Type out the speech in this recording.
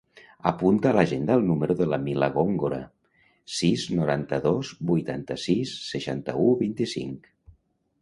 Apunta a l'agenda el número de la Mila Gongora: sis, noranta-dos, vuitanta-sis, seixanta-u, vint-i-cinc.